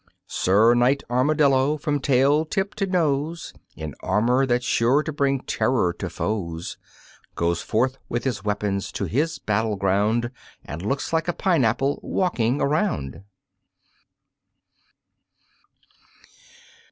Sir Knight Armadillo, from tail tip to nose In armor that's sure to bring terror to foes, Goes forth with his weapons to his battle ground, And looks like a pineapple walking around.